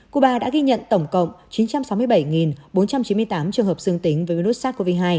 cuba đã ghi nhận tổng cộng chín trăm sáu mươi bảy bốn trăm chín mươi tám trường hợp dương tính với virus sars cov hai